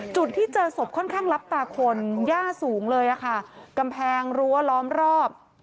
จุดที่เจอศพค่อนข้างลับตาคนย่าสูงเลยอะค่ะกำแพงรั้วล้อมรอบ